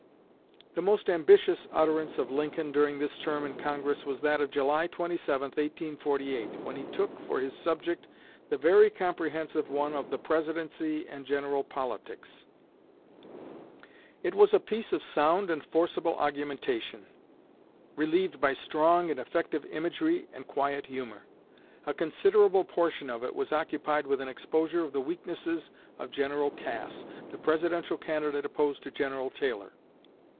The most ambitious utterance of Lincoln during this term in Congress was that of July 27, 1848, when he took for his subject the very comprehensive one of "The Presidency and General Politics." It was a piece of sound and forcible argumentation, relieved by strong and effective imagery and quiet humor. A considerable portion of it was occupied with an exposure of the weaknesses of General Cass, the Presidential candidate opposed to General Taylor.